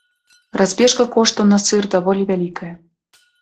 Разбежка коштаў на сыр даволі вялікая.